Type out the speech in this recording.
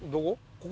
ここ？